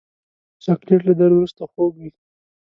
چاکلېټ له درد وروسته خوږ وي.